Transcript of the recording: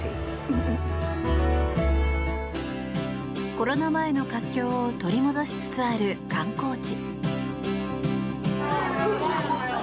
コロナ前の活況を取り戻しつつある観光地。